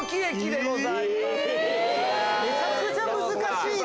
めちゃくちゃ難しい！